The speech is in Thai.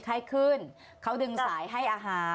พอเขาขึ้นเขาดึงไหลให้อาหาร